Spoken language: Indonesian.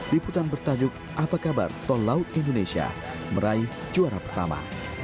liputan bertajuk apa kabar tol laut indonesia meraih juara pertama